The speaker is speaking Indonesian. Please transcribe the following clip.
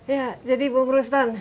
ya jadi bung rustan